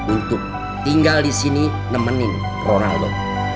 untuk tinggal di sini nemenin ronaldo